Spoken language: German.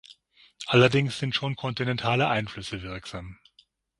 Allerdings sind schon kontinentale Einflüsse wirksam.